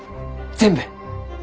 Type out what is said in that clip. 全部！？